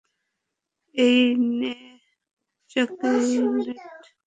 এই নে চলকেট।